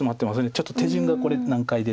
ちょっと手順がこれ難解で。